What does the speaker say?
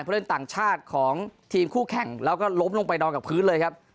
เล่นต่างชาติของทีมคู่แข่งแล้วก็ล้มลงไปนอนกับพื้นเลยครับ